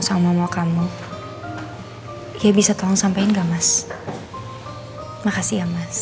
tidak tahu berapa ini